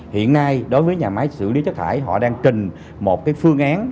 hiện nay đối với nhà máy xử lý chất thải họ đang trình một cái phương án